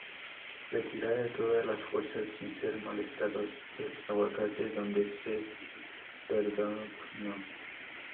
Retirada de todas las fuerzas sin ser molestados, el Aguacate donde se pernoctó.